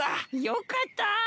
よかった。